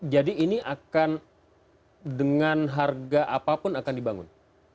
jadi ini akan dengan harga apapun akan dibangun